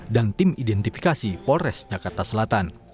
dan tim identifikasi polresta jakarta selatan